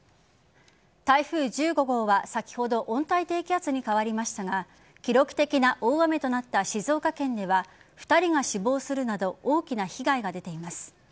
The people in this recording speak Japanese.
台風１５号は先ほど温帯低気圧に変わりましたが記録的な大雨となった静岡県では２人が死亡するなど大きな被害が出ています。